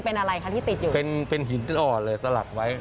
เป็นอะไรคะที่ติดอยู่เป็นเป็นหินอ่อนเลยสลักไว้